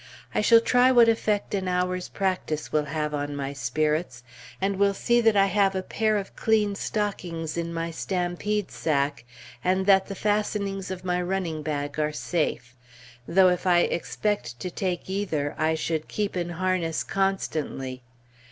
I shall try what effect an hour's practice will have on my spirits, and will see that I have a pair of clean stockings in my stampede sack, and that the fastenings of my "running bag" are safe. Though if I expect to take either, I should keep in harness constantly.